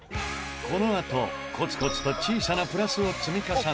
このあとコツコツと小さなプラスを積み重ね